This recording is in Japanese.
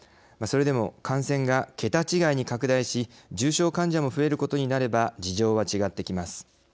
それでも感染がけた違いに拡大し重症患者も増えることになれば事情は違ってきます。